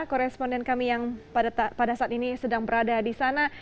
koresponden kami yang pada saat ini sedang berada di sana